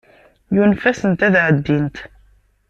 Yunef-asent ad ɛeddint.